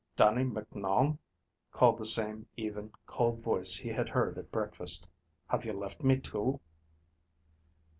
"Dannie Micnoun?" called the same even, cold voice he had heard at breakfast. "Have you left me, too?"